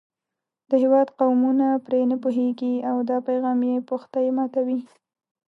د هېواد قومونه پرې نه پوهېږي او دا پیغام یې پښتۍ ماتوي.